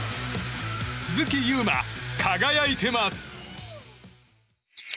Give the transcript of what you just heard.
鈴木優磨、輝いてます！